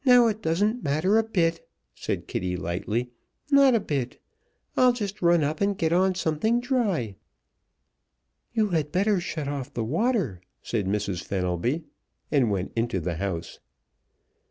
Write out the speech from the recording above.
"Now, it doesn't matter a bit," said Kitty lightly. "Not a bit! I'll just run up and get on something dry " "You had better shut off the water," said Mrs. Fenelby, and went into the house.